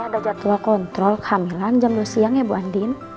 ada jadwal kontrol kehamilan jam dua siang ya bu andin